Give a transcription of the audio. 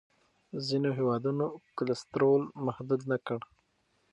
ځینو هېوادونو کلسترول محدود نه کړ.